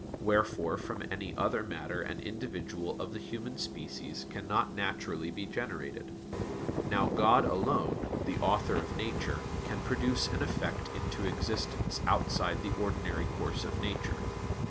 Wherefore from any other matter an individual of the human species cannot naturally be generated. Now God alone, the Author of nature, can produce an effect into existence outside the ordinary course of nature.